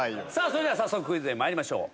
それでは早速クイズへ参りましょう。